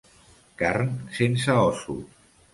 Carn sense ossos.